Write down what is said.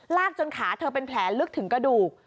จนขาเธอเป็นแผลลึกถึงกระดูก